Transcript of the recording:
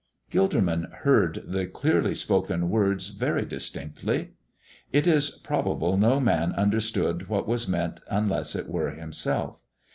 Gilderman heard the clearly spoken words very distinctly. It is probable no man understood what was meant unless it were himself.